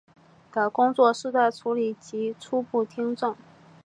的工作是在处理及的初步听证。